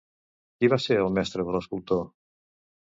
Qui va ser el mestre de l'escultor?